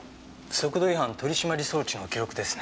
速度違反取締装置の記録ですね。